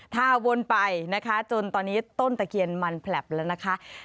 ถ้าวนไปนะคะจนตอนนี้ต้นตะเคียนมันแผลบแล้วนะคะ